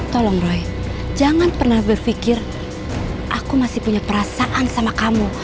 tolong roy jangan pernah berpikir aku masih punya perasaan sama kamu